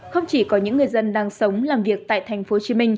không chỉ có những người dân đang sống làm việc tại tp hcm